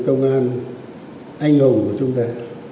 công an anh hùng của chúng ta